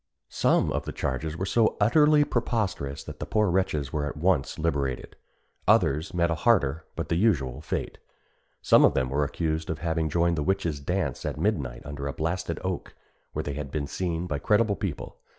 Some of the charges were so utterly preposterous that the poor wretches were at once liberated; others met a harder, but the usual fate. Some of them were accused of having joined the witches' dance at midnight under a blasted oak, where they had been seen by creditable people.